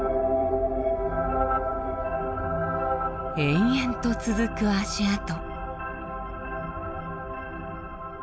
延々と続く足跡。